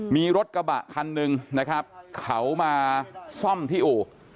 มีรถกระบะคันหนึ่งนะครับเขามาซ่อมที่อู่